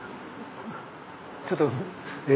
ちょっと「え？」